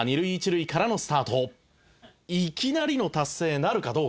「いきなりの達成なるかどうか」